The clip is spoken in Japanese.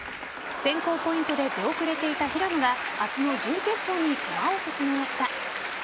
選考ポイントで出遅れていた平野が明日の準決勝に駒を進めました。